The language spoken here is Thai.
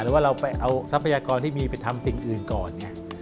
ว่าเราไปเอาทรัพยากรที่มีไปทำสิ่งอื่นก่อนไง